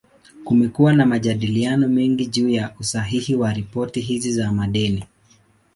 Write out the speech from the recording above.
Kumekuwa na majadiliano mengi juu ya usahihi wa ripoti hizi za madeni.